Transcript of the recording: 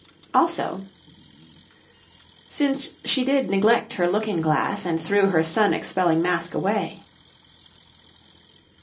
Also: 'Since she did neglect her looking glass, And threw her sun expelling mask away.'